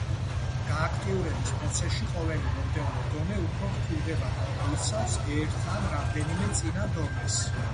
გააქტიურების პროცესში, ყოველი მომდევნო დონე უფრო რთულდება და მოიცავს ერთ ან რამდენიმე წინა დონეს.